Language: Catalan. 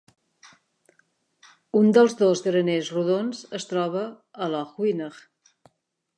Un dels dos graners rodons es troba a Lochwinnoch.